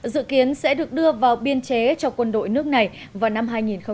dự kiến sẽ được đưa vào biên chế cho quân đội nước này vào năm hai nghìn hai mươi